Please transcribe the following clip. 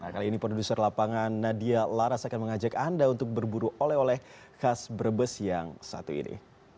kali ini produser lapangan nadia laras akan mengajak anda untuk berburu oleh oleh khas brebes yang satu ini